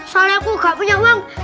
soalnya aku gak punya uang